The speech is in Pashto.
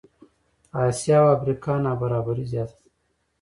په آسیا او افریقا نابرابري زیاته ده.